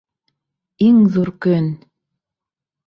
Иң ҙур көн!